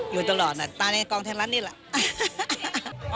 อยู่ตลอดน่ะตายในกองไทยรัฐนี่แหละ